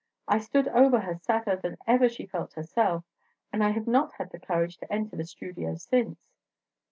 I stood over her sadder than ever she felt herself, and I have not had the courage to enter the studio since."